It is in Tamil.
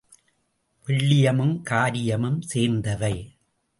வெள்ளியமும் காரீயமும் சேர்ந்தவை.